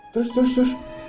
terus terus terus